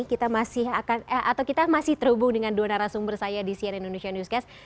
kita masih akan atau kita masih terhubung dengan dua narasumber saya di cnn indonesia newscast